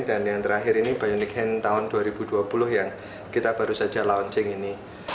dan yang terakhir ini bionic hand tahun dua ribu dua puluh yang kita baru saja launching ini